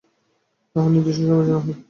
আহারের নির্দিষ্ট সময় যেন হয়।